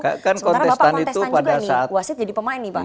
sementara bapak kontestan juga nih wasit jadi pemain nih pak